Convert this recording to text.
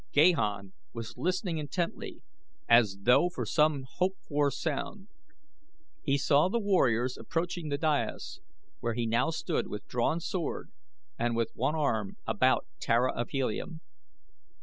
Gahan was listening intently, as though for some hoped for sound. He saw the warriors approaching the dais, where he now stood with drawn sword and with one arm about Tara of Helium.